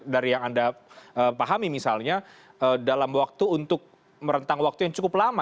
dari yang anda pahami misalnya dalam waktu untuk merentang waktu yang cukup lama